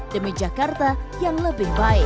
demi jakarta yang lebih baik